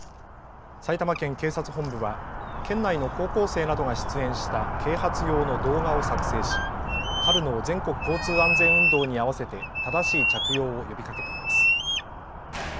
埼玉県警察本部は県内の高校生などが出演した啓発用の動画を作成し春の全国交通安全運動に合わせて正しい着用を呼びかけています。